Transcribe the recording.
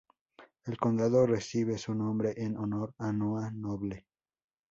El condado recibe su nombre en honor a Noah Noble.